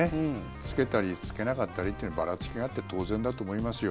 着けたり着けなかったりというばらつきがあって当然だと思いますよ。